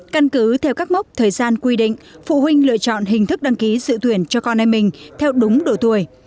căn cứ theo các mốc thời gian quy định phụ huynh lựa chọn hình thức đăng ký dự tuyển cho con em mình theo đúng độ tuổi